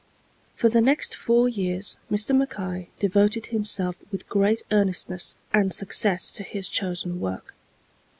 For the next four years Mr. Mackay devoted himself with great earnestness and success to his chosen work.